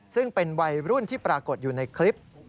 ซึ่งเป็นวัยรุ่นที่ปรากฏอยู่ในคลิป